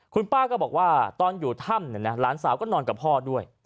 คุณป้าก็บอกว่าตอนอยู่ถ้ำหลานสาวก็นอนกับพ่อด้วย